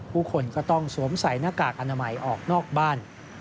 ผู้คนก็ต้องสวมใส่หน้ากากอนามัยออกนอกบ้าน